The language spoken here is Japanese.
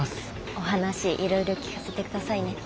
お話いろいろ聞かせてくださいね。